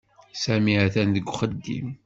Sami atan deg uxeddim.